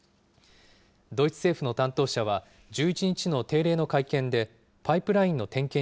ドイツ政府の担当者は、１１日の定例の会見でパイプラインの点検